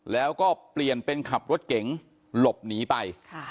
แล้วก็เปลี่ยนเป็นขับรถเก๋งหลบหนีไป